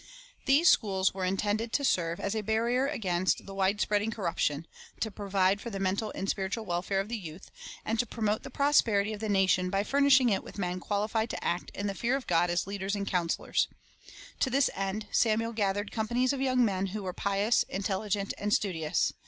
These schools were intended to serve as a barrier against the wide spreading corruption, to provide for the mental and spiritual welfare of the youth, and to promote the prosperity of the nation by furnishing it with men qualified to act in the fear of God as leaders and counselors. To this end, Samuel gathered com panies of young men who were pious, intelligent, and studious.